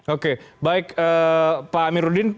oke baik pak amirudin